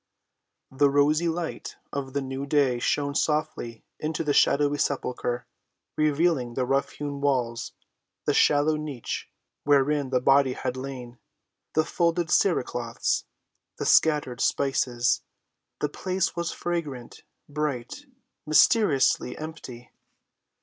The rosy light of the new day shone softly into the shadowy sepulchre, revealing the rough‐hewn walls, the shallow niche wherein the body had lain, the folded cere‐cloths, the scattered spices. The place was fragrant, bright, mysteriously empty.